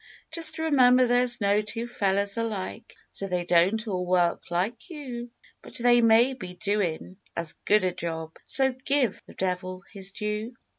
Just remember there's no two fellars alike. So they don't all work like you. But they may be doin' as good a job, So "give the devil his due."